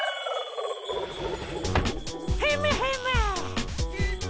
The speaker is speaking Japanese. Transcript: ヘムヘム！